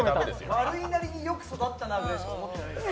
悪いなりによく育ったなぐらいしか思ってないですよ。